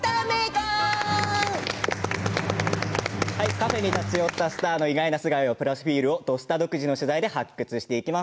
カフェに立ち寄ったスターの意外なプロフィールや素顔を「土スタ」独自の取材で発掘していきます。